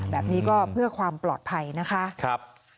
แบบนี้ก็เพื่อความปลอดภัยนะคะ